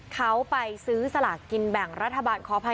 เขาไปซื้อสลากกินแบ่งรัฐบาลขออภัย